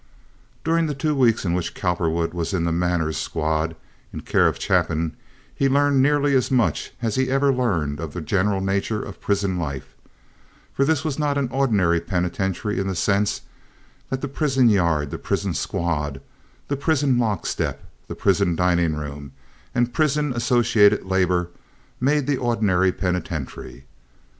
During the two weeks in which Cowperwood was in the "manners squad," in care of Chapin, he learned nearly as much as he ever learned of the general nature of prison life; for this was not an ordinary penitentiary in the sense that the prison yard, the prison squad, the prison lock step, the prison dining room, and prison associated labor make the ordinary penitentiary.